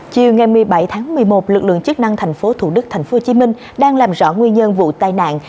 chiều ngày một mươi bảy tháng một mươi một lực lượng chức năng tp thủ đức tp hcm đang làm rõ nguyên nhân vụ tai nạn